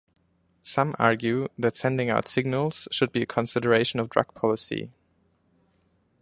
Some argue that sending out signals should be a consideration of drug policy.